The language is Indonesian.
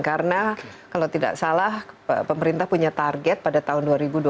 karena kalau tidak salah pemerintah punya target pada tahun dua ribu dua puluh lima